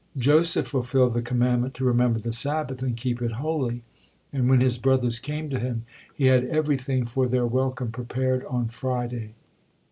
Joseph fulfilled the commandment to remember the Sabbath and keep it holy; and when his brothers came to him, he had everything for their welcome prepared on Friday.